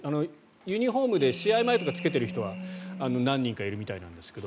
ユニホームであれを着けている人は何人かいるみたいなんですけど。